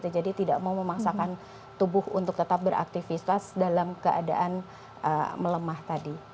jadi tidak mau memaksakan tubuh untuk tetap beraktivitas dalam keadaan melemah tadi